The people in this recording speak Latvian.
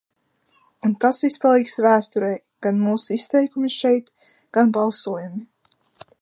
Un tas viss paliks vēsturei, gan mūsu izteikumi šeit, gan balsojumi.